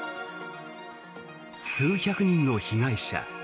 数百人の被害者。